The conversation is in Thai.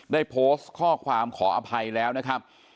ได้โพสต์ข้อความขออภัยแล้วนะครับ